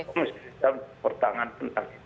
kita harus bertangan tentang itu